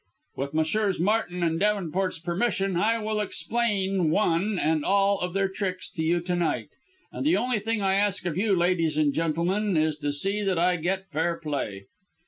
With Messrs. Martin and Davenport's permission I will explain one and all of their tricks to you to night, and the only thing I ask of you, ladies and gentlemen, is to see that I get fair play."